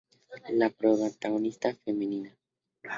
La protagonista femenina.